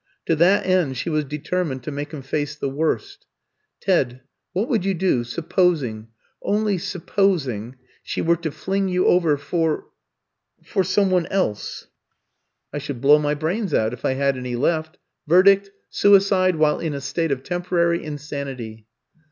To that end she was determined to make him face the worst. "Ted, what would you do, supposing only supposing she were to fling you over for for some one else?" "I should blow my brains out, if I had any left. Verdict, suicide while in a state of temporary insanity."